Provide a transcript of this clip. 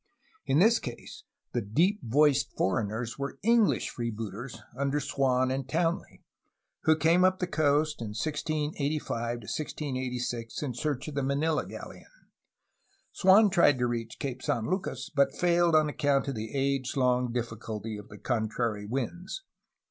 In this case the '^deep voiced'' foreigners were English free booters under Swan and Townley, who came up the coast in 1685 1686 in search of the Manila galleon. Swan tried to reach Cape San Lucas, but failed on account of the age long difficulty of the contrary winds.